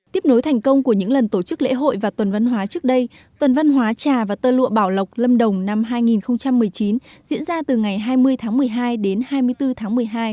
tiếp nối thành công của những lần tổ chức lễ hội và tuần văn hóa trước đây tuần văn hóa trà và tơ lụa bảo lộc lâm đồng năm hai nghìn một mươi chín diễn ra từ ngày hai mươi tháng một mươi hai đến hai mươi bốn tháng một mươi hai